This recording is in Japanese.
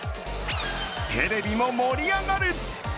テレビも盛り上がる。